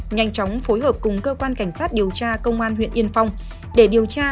nhanh chóng phối hợp cùng cơ quan cảnh sát điều tra công an huyện yên phong để điều tra